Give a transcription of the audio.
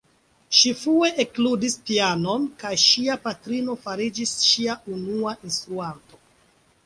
Ŝi frue ekludis pianon kaj ŝia patrino fariĝis ŝia unua instruanto.